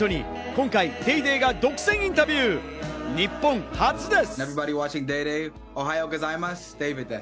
今回『ＤａｙＤａｙ．』が独占インタビュー、日本初です。